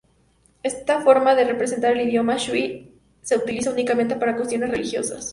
Esta forma de representar el idioma shui se utiliza únicamente para cuestiones religiosas.